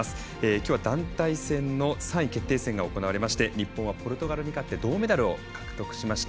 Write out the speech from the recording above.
きょうは団体戦の３位決定戦が行われてまして日本はポルトガルに勝って銅メダルを獲得しました。